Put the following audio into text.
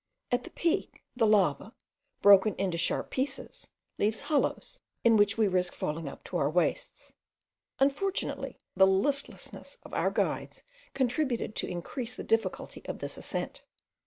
At the peak the lava, broken into sharp pieces, leaves hollows, in which we risked falling up to our waists. Unfortunately the listlessness of our guides contributed to increase the difficulty of this ascent.